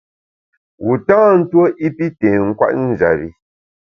Wu tâ ntuo i pi tê nkwet njap bi.